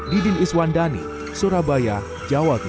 didin iswandani surabaya jawa timur